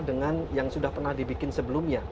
dengan yang sudah pernah dibikin sebelumnya